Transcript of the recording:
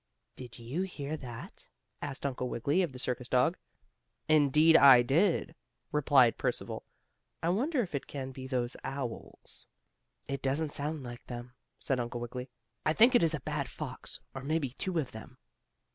"Did you hear that?" asked Uncle Wiggily of the circus dog. "Indeed I did," replied Percival. "I wonder if it can be those owls?" "It doesn't sound like them," said Uncle Wiggily. "I think it is a bad fox, or maybe two of them."